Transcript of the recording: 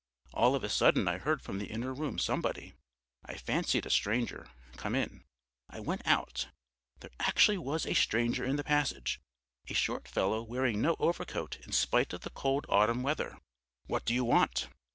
All of a sudden I heard from the inner room somebody I fancied a stranger come in; I went out; there actually was a stranger in the passage, a short fellow wearing no overcoat in spite of the cold autumn weather. "What do you want?"